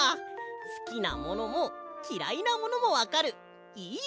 すきなものもきらいなものもわかるいい